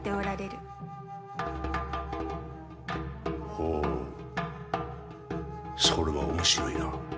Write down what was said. ほうそれは面白いな。